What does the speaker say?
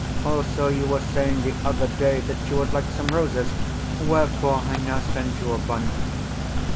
Also, you were saying the other day that you would like some roses; wherefore, I now send you a bunch.